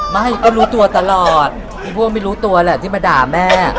ไม่ก็รู้ตัวตลอดพี่บัวไม่รู้ตัวแหละที่มาด่าแม่